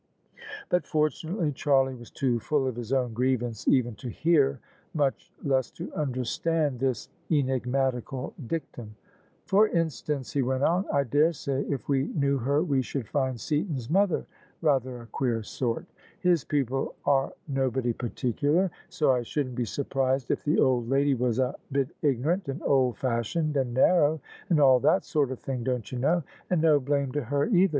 But fortunately Charlie was too full of his own grievance even to hear — ^much less to understand — this enigmatical dictum. " For instance," he went on, " I daresay, if we knew her, we should find Seaton's mother rather a queer sort. His people are nobody particular; so I shouldn't be surprised if the old lady was a bit ignorant and old fashioned and nar row, and all that sort of thing, don't you know? And no blame to her, either!